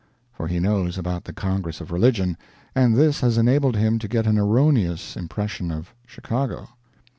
For he knows about the Congress of Religion, and this has enabled him to get an erroneous impression of Chicago.